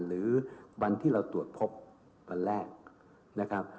หรือวันที่เราตรวจพบวันแรกนะครับ